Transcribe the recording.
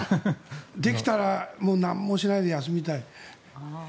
できたら何もしないで休みたい。